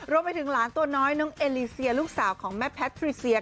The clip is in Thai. รวมไปถึงหลานตัวน้อยน้องเอลิเซียลูกสาวของแม่แพทริเซีย